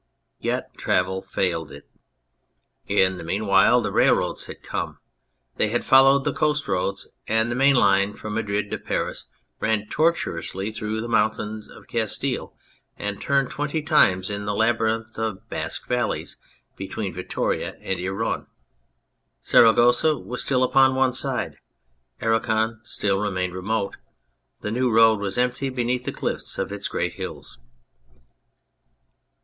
Yet travel failed it. In the meanwhile the railways had come ; they had followed the coast roads, and the main line from Madrid to Paris ran tortuously through the mountains of Castile and turned twenty times in the labyrinth of Basque Valleys, between Vittoria and Irun. Saragossa was still upon one side ; Aragon still remained remote ; the new road was empty beneath the cliffs of its great hills.